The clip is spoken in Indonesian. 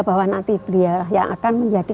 bahwa nanti beliau yang akan menjadi